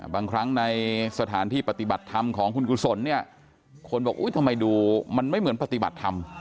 บางครั้งในสถานที่ปฏิบัติธรรมของคุณกุศลเนี่ยคนบอกทำไมดูมันไม่เหมือนปฏิบัติธรรม